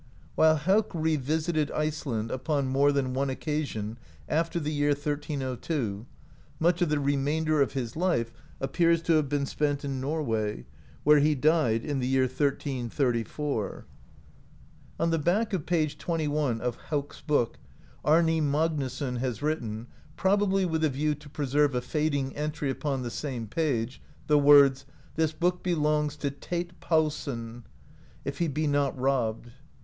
While Hauk revisited Iceland upon more than one occa sion after the year 1302, much of the remainder of his life appears to have been spent in Norway, where he died in the year 1334. 17 AMERICA DISCOVERED BY NORSEMEN On the back of page 21 of Hauk's Book Arni Mag nusson has written, probably with a view to preserve a fading entry upon the same page, the words : "This book belongs to Teit Paulsson [Teitr Palsson], if he be not robbed."